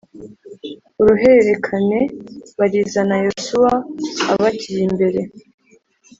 uruhererekane barizana Yosuwa abagiye imbere